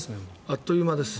あっという間です。